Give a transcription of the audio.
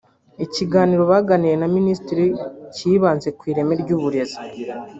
Ikiganiro bagiranye na Minisitiri kibanze ku ireme ry’Uburezi